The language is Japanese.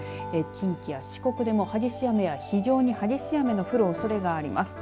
近畿や四国でも激しい雨や非常に激しい雨の降るおそれがあります。